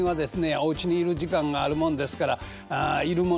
おうちにいる時間があるもんですからいるもの